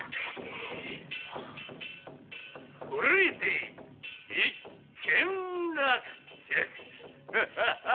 「これにて一件落着！」